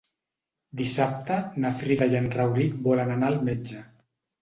Dissabte na Frida i en Rauric volen anar al metge.